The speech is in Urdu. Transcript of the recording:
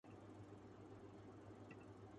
جب ہم نئے نئے وکیل بنے تھے